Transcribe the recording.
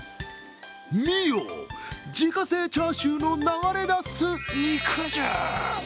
見よ、自家製チャーシューの流れ出す肉汁。